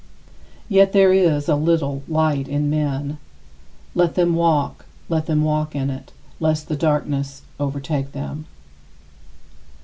Yet there is a little light in men. Let them walk let them walk in it, lest the darkness overtake them.